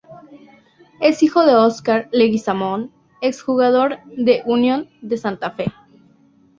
Es hijo de Oscar Leguizamón, ex jugador de Unión de Santa Fe.